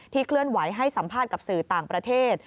เคลื่อนไหวให้สัมภาษณ์กับสื่อต่างประเทศ